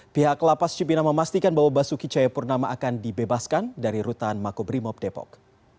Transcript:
pihak lapas cipinang memastikan bahwa basuki cahayapurnama akan dibebaskan dari rutan makobrimob depok